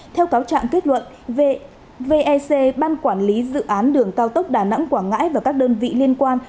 theo cáo trạng kết luận vec ban quản lý dự án đường cao tốc đà nẵng quảng ngãi và các đơn vị liên quan